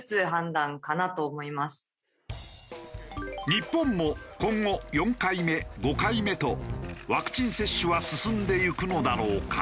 日本も今後４回目５回目とワクチン接種は進んでいくのだろうか？